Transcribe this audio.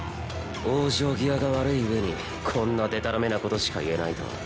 往生際が悪いうえにこんなでたらめなことしか言えないとは。